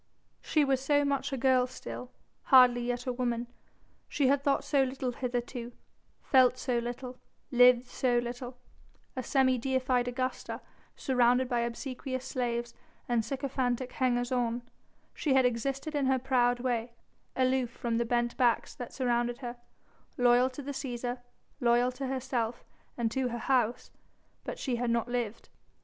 She was so much a girl still hardly yet a woman she had thought so little hitherto, felt so little, lived so little; a semi deified Augusta, surrounded by obsequious slaves and sycophantic hangers on, she had existed in her proud way, aloof from the bent backs that surrounded her loyal to the Cæsar, loyal to herself and to her House but she had not lived.